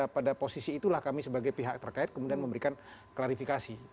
pada posisi itulah kami sebagai pihak terkait kemudian memberikan klarifikasi